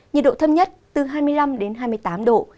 nhiệt độ thấp nhất từ hai mươi năm đến hai mươi tám độ